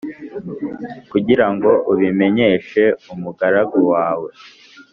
kugira ngo ubimenyeshe umugaragu wawe.